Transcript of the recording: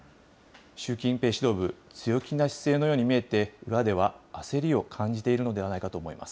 習近平指導部、強気な姿勢のように見えて、裏では焦りを感じているのではないかと思います。